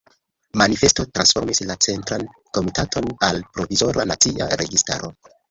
Manifesto transformis la Centran Komitaton al Provizora Nacia Registaro.